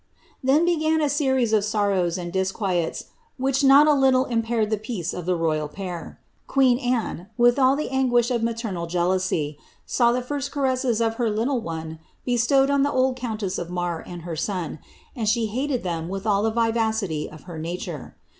Then began a series of sorrows and disquiets, which not a little im paired the peace of the royal pair ; queen Anne, with all the anguish of maternal jealousy, saw the first caresses of her little one bestowed on the old countess of Marr and her son, and she hated them with all the TiTacity of her nature.